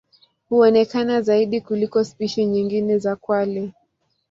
Huonekana zaidi kuliko spishi nyingine za kwale.